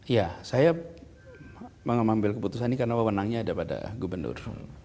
ya saya mengambil keputusan ini karena pemenangnya ada pada gubernur